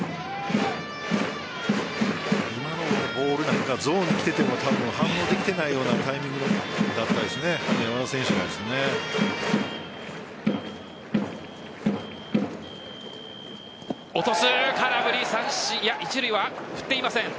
今のボールなんかゾーンに来ていても反応できていないようなタイミングだったですよね。